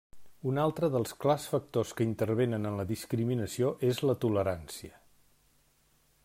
Un altre dels clars factors que intervenen en la discriminació és la tolerància.